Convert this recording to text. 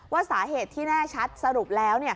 ว่าสาเหตุที่แน่ชัดสรุปแล้ว